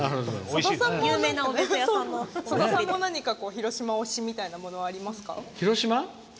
さださんも何か広島推しみたいなのありますか。